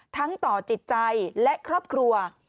ต่อจิตใจและครอบครัว